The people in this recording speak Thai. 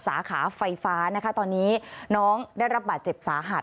สาขาไฟฟ้านะคะตอนนี้น้องได้รับบาดเจ็บสาหัส